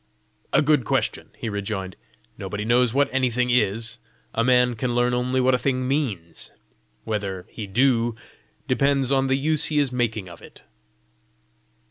"A good question!" he rejoined: "nobody knows what anything is; a man can learn only what a thing means! Whether he do, depends on the use he is making of it."